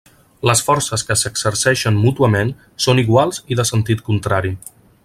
Les forces que s'exerceixen mútuament són iguals i de sentit contrari.